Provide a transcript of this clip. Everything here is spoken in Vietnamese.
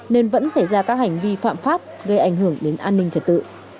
nên vẫn xảy ra các hành vi phạm pháp gây ảnh hưởng đến an ninh trật tự